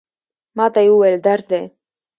ما ته یې وویل، درس دی.